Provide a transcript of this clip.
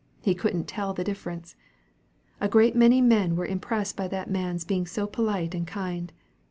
He couldn't tell the difference. A great many men were impressed by that man's being so polite and kind.